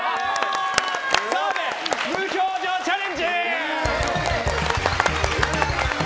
澤部無表情チャレンジ！